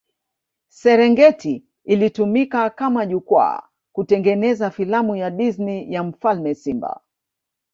Serengeti ilitumika kama jukwaa kutengeneza filamu ya Disney ya mfalme simba